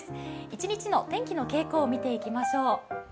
一日の天気の傾向を見ていきましょう。